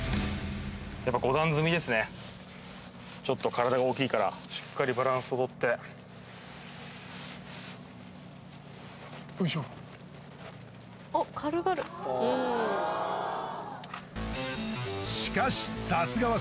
ちょっと体が大きいからしっかりバランスをとっておいしょ